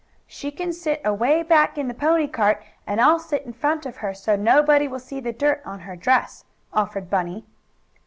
"She can sit away back in the pony cart, and I'll sit in front of her, so nobody will see the dirt on her dress," offered Bunny.